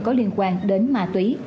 có liên quan đến mà túi